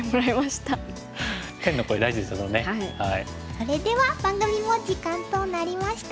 それでは番組も時間となりました。